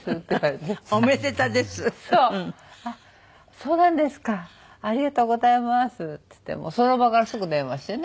「そうなんですか。ありがとうございます」っつってその場からすぐ電話してね。